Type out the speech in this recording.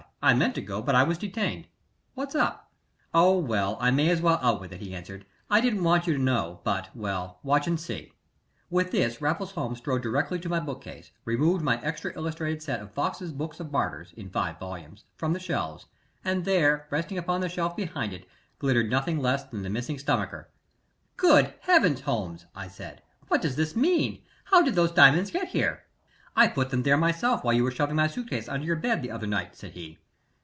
"I meant to go, but I was detained. What's up?" "Oh, well I may as well out with it," he answered. "I didn't want you to know, but well, watch and see." With this Raffles Holmes strode directly to my bookcase, removed my extra illustrated set of Fox's Book of Martyrs, in five volumes, from the shelves, and there, resting upon the shelf behind them, glittered nothing less than the missing stomacher! "Great Heavens, Holmes!" I said, "what does this mean? How did those diamonds get there?" "I put them there myself while you were shoving my suit case under your bed the other night," said he.